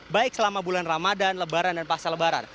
baik selama bulan ramadan lebaran dan pasca lebaran